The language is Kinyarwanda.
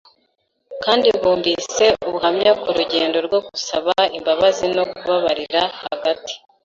kandi bumvise ubuhamya ku rugendo rwo gusaba imbabazi no kubabarira hagati